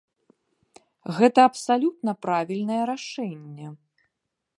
Гэта абсалютна правільнае рашэнне.